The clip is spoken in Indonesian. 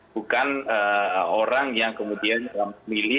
bukan orang yang kemudian memilih